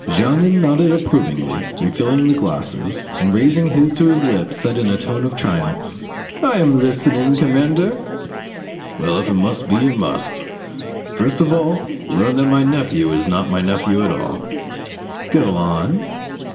Jeannin nodded approvingly, refilled the glasses, and raising his to his lips, said in a tone of triumph— "I am listening, commander." "Well, if it must be, it must. First of all, learn that my nephew is not my nephew at all." "Go on."